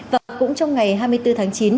và cũng trong ngày hai mươi bốn tháng chín